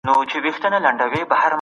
کمپيوټر نوښت راولي.